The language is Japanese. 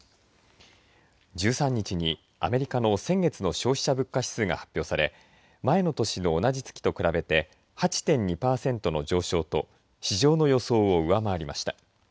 １３日にアメリカの先月の消費者物価指数が発表され前の年の同じ月と比べて８．２パーセントの上昇と市場の予想を上回りました。